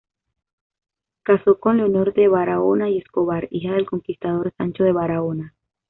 Casó con Leonor de Barahona y Escobar, hija del conquistador Sancho de Barahona.